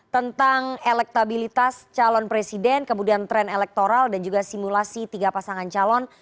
tentang elektabilitas calon presiden kemudian tren elektoral dan juga simulasi tiga pasangan calon